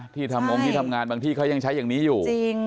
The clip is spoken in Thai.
ที่ทำองค์ที่ทำงานบางที่เขายังใช้อย่างนี้อยู่จริง